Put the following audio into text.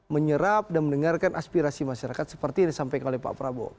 menyerap dan mendengarkan aspirasi masyarakat seperti yang disampaikan oleh pak prabowo